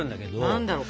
何だろうか。